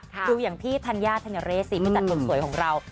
ดูอย่างพี่ธัญญาธัญเรศสิผู้จัดคนสวยของเรา